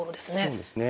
そうですね